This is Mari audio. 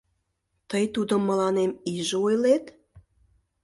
— Тый тудым мыланем иже ойлет?